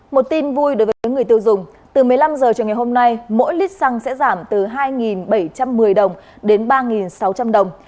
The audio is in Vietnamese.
một tin vui đối với người tiêu dùng từ một mươi năm h chiều ngày hôm nay mỗi lít xăng sẽ giảm từ hai bảy trăm một mươi đồng đến ba sáu trăm linh đồng